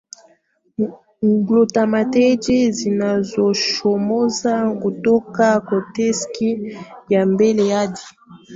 glutamateji zinazochomoza kutoka koteksi ya mbele hadi